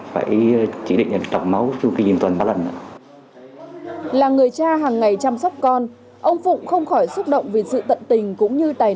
phải chỉ định đọc máu trong khi nhìn toàn bác lần